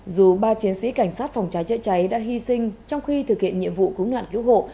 dù ba chiến sĩ cảnh sát phòng cháy chữa cháy đã hy sinh trong khi thực hiện nhiệm vụ cứu nạn cứu hộ